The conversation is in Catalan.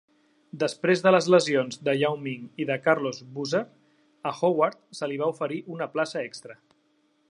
Després de les lesions de Yao Ming i de Carlos Boozer, a Howard se li va oferir una plaça extra.